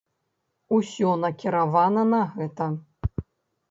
Усё накіравана на гэта.